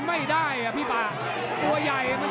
กาดเกมสีแดงเดินแบ่งมูธรุด้วย